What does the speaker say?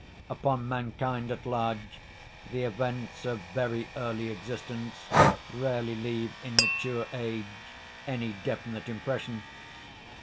Upon mankind at large the events of very early existence rarely leave in mature age any definite impression.